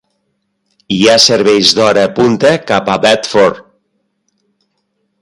Hi ha serveis d'hora punta cap a Bedford.